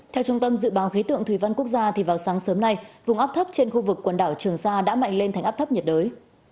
theo trung tâm dự báo khí tượng thủy văn quốc gia vào sáng sớm nay vùng áp thấp trên khu vực quần đảo trường sa đã mạnh lên thành áp thấp nhiệt đới